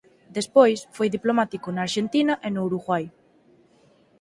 Despois foi diplomático na Arxentina e no Uruguai.